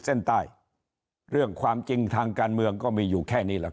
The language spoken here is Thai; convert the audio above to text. เส้นใต้เรื่องความจริงทางการเมืองก็มีอยู่แค่นี้แหละ